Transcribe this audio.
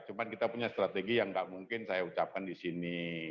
cuma kita punya strategi yang nggak mungkin saya ucapkan di sini